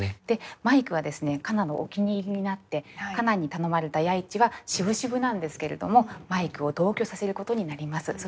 でマイクはですね夏菜のお気に入りになって夏菜に頼まれた弥一はしぶしぶなんですけれどもマイクを同居させることになります。